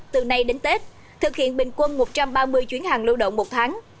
từ nay đến tết thực hiện bình quân một trăm ba mươi chuyến hàng lưu động một tháng